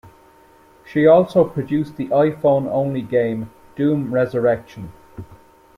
She also produced the iPhone-only game "Doom Resurrection".